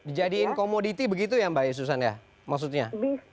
dijadikan komoditi begitu ya mbak yesusan ya maksudnya